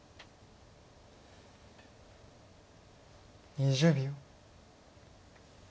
２０秒。